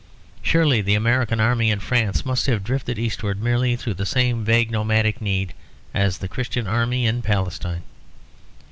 Surely the American Army in France must have drifted eastward merely through the same vague nomadic need as the Christian Army in Palestine.